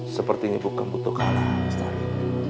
seperti ini bukan butuh kalah gustira